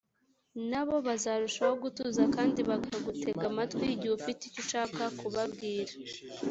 na bo bazarushaho gutuza kandi bakagutega amatwi igihe ufite icyo ushaka kubabwira